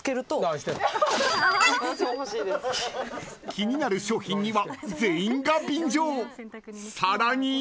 ［気になる商品には全員が便乗］